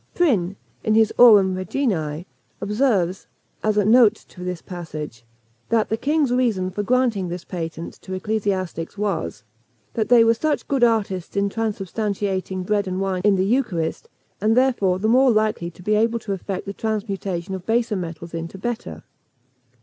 Prinn, in his Aurum Reginæ, observes, as a note to this passage, that the king's reason for granting this patent to ecclesiastics was, that "they were such good artists in transubstantiating bread and wine in the eucharist, and therefore the more likely to be able to effect the transmutation of baser metals into better."